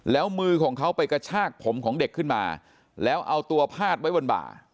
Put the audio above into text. แล้วมือของเขาไปกระชากผมของเด็กขึ้นมาแล้วเอาตัวพาดไว้บนบ่า